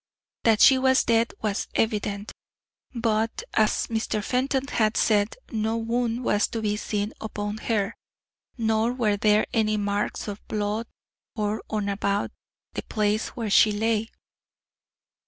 That she was dead was evident; but, as Mr. Fenton had said, no wound was to be seen upon her, nor were there any marks of blood on or about the place where she lay.